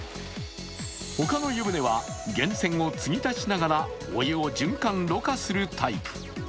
ほかの湯船は源泉をつぎ足しながらお湯を循環ろ過するタイプ。